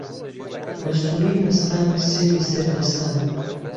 مەستوورەی مەستان سێوی سەر دەستان